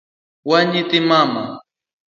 Wan nyithi mama